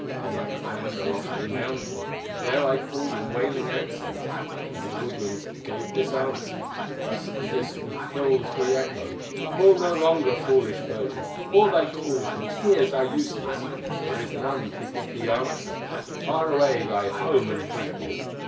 Then I climbed a lofty mountain, There I called in wailing accents, And the woodlands gave this answer, Thus the distant hills re echoed: 'Call no longer, foolish virgin, All thy calls and tears are useless; There is none to give thee answer, Far away, thy home and people.